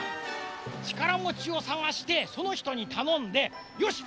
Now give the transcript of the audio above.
ちからもちをさがしてその人にたのんでよし！